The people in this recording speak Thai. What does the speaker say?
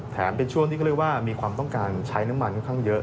เป็นช่วงที่เขาเรียกว่ามีความต้องการใช้น้ำมันค่อนข้างเยอะ